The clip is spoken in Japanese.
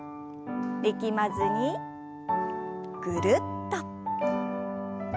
力まずにぐるっと。